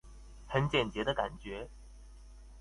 很簡潔的感覺